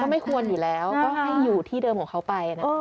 ไม่ควรอยู่แล้วก็ให้อยู่ที่เดิมของเขาไปนะคะ